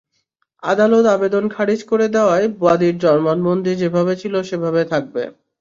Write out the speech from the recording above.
আদালত আবেদন খারিজ করে দেওয়ায় বাদীর জবানবন্দি যেভাবে ছিল সেভাবে থাকবে।